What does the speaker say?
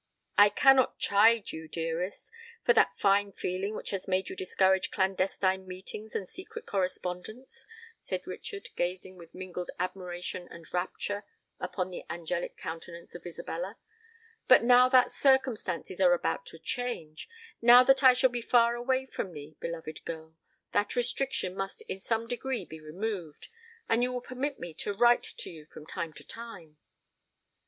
"I cannot chide you, dearest, for that fine feeling which has made you discourage clandestine meetings and secret correspondence," said Richard, gazing with mingled admiration and rapture upon the angelic countenance of Isabella; "but now that circumstances are about to change,—now that I shall be far away from thee, beloved girl,—that restriction must in some degree be removed, and you will permit me to write to you from time to time."